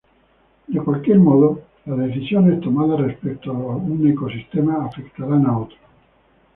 De cualquier modo, las decisiones tomadas respecto a un ecosistema, afectarán a otros.